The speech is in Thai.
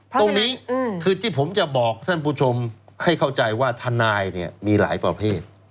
ตรงนี้คือที่ผมจะบอกท่านผู้ชมให้เข้าใจว่าทนายเนี่ยมีหลายประเภท